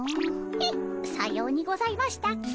えっさようにございましたっけ？